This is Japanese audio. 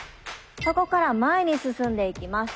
そこから前に進んでいきます。